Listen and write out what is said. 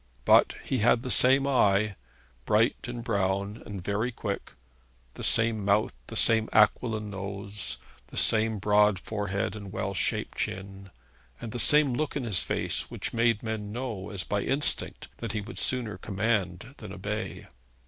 But he had the same eye, bright and brown and very quick, the same mouth, the same aquiline nose, the same broad forehead and well shaped chin, and the same look in his face which made men know as by instinct that he would sooner command than obey.